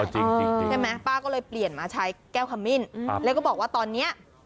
จริงใช่ไหมป้าก็เลยเปลี่ยนมาใช้แก้วขมิ้นแล้วก็บอกว่าตอนนี้